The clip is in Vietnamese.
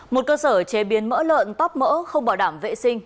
một cơ sở chế biến mỡ lợn tóp mỡ không bảo đảm vệ sinh